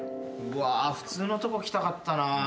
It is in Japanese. うわ普通のとこ来たかったな。